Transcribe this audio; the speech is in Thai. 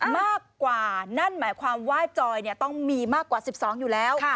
มากกว่านั่นหมายความว่าจอยต้องมีมากกว่า๑๒อยู่แล้ว